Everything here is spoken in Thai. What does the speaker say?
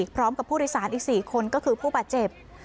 พร้อมกับผู้โดยสารอีก๔คนก็คือผู้บาดเจ็บ